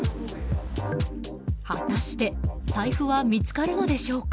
果たして財布は見つかるのでしょうか。